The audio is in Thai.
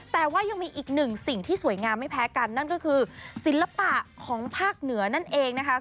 แต่ว่ายังมีอีกหนึ่งสิ่งที่สวยงามไม่แพ้กันนั่นก็คือศิลปะของภาคเหนือนั่นเองนะคะ